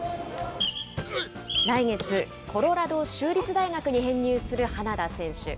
来月、コロラド州立大学に編入する花田選手。